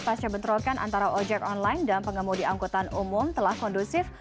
pasca bentrokan antara ojek online dan pengemudi angkutan umum telah kondusif